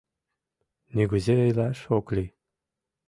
Нигузе илаш ок лий.